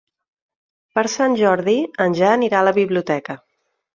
Per Sant Jordi en Jan irà a la biblioteca.